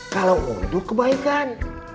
kalau untuk kebaikan